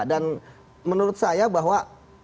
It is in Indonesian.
dan menurut saya bahwa